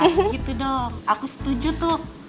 eh gitu dong aku setuju tuh